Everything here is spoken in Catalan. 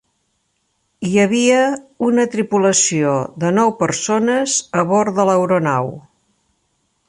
Hi havia una tripulació de nou persones a bord de l'aeronau.